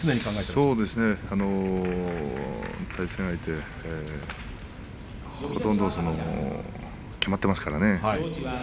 そうですね対戦相手ほとんど決まっていますからね。